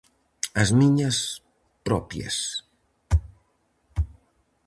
As miñas propias.